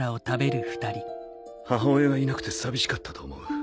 母親がいなくて寂しかったと思う。